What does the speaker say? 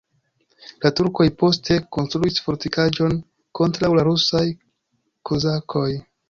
La turkoj poste konstruis fortikaĵon kontraŭ la rusaj kozakoj.